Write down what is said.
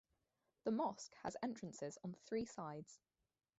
The mosque has entrances on three sides.